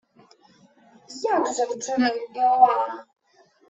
Як же вчинив Іоанн?